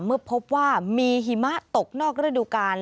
เมื่อพบว่ามีหิมะตกนอกฤดูกาล